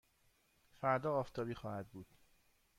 فردا آفتابی خواهد بود.